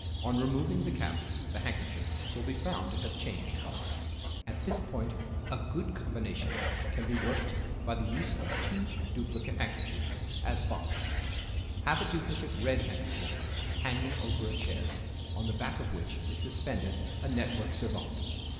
On removing the caps the handkerchief will be found to have changed color. At this point a good combination trick can be worked by the use of two duplicate handkerchiefs, as follows: Have a duplicate red handkerchief hanging over a chair, on the back of which is suspended a network servante.